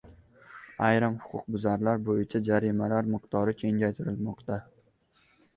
Ayrim huquqbuzarliklar bo‘yicha jarimalar miqdori kamaytirilmoqda